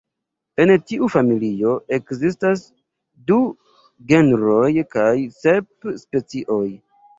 En tiu familio ekzistas du genroj kaj sep specioj.